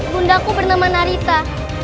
bundaku bernama narita